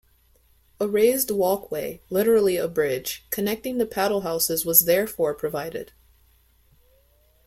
A raised walkway, literally a bridge, connecting the paddle houses was therefore provided.